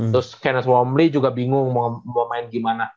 terus kenneth womley juga bingung mau main gimana